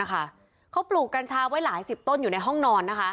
เขาปลูกกัญชาไว้หลายสิบต้นอยู่ในห้องนอนนะคะ